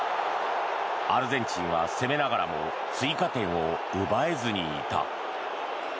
アルゼンチンは攻めながらも追加点を奪えずにいた。